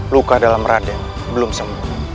luka dalam raden belum sembuh